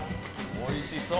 おいしそう。